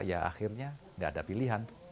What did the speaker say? ya akhirnya nggak ada pilihan